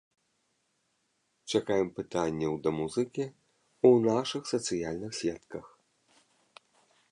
Чакаем пытанняў да музыкі ў нашых сацыяльных сетках.